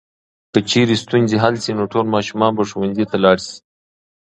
که چېرې ستونزې حل شي نو ټول ماشومان به ښوونځي ته لاړ شي.